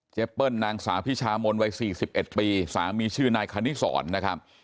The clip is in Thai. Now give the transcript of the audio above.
เปิ้ลนางสาวพิชามนวัย๔๑ปีสามีชื่อนายคณิสรนะครับ